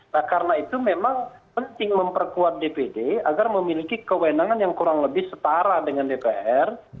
nah karena itu memang penting memperkuat dpd agar memiliki kewenangan yang kurang lebih setara dengan dpr